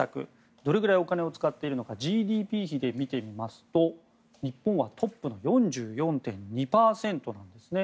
どれくらいお金を使っているのかＧＤＰ比で見てみますと日本はトップの４４．２％なんですね。